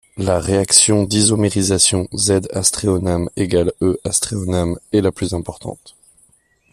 La réaction d’isomérisation Z-aztréonam = E-aztréonam est la plus importante.